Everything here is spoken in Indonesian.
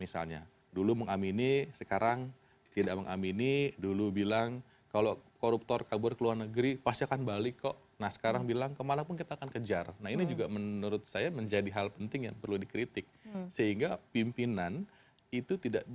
sebelum dengan tama